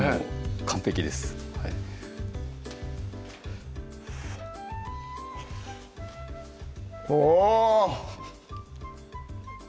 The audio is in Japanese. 完璧ですおぉ！